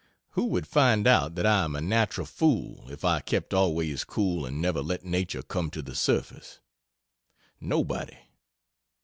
Who would find out that I am a natural fool if I kept always cool and never let nature come to the surface? Nobody.